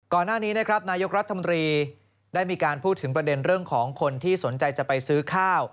ก่อนหน้านี้นะครับนายกรัฐมนตรีได้มีการพูดถึงประเด็นเรื่องของคนที่สนใจจะไปซื้อข้าว